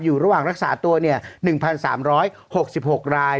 อยู่ระหว่างรักษาตัว๑๓๖๖ราย